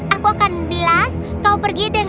aku akan bilas kau pergi dengan